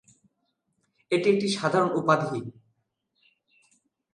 এটি একটি সাধারণ উপাধি।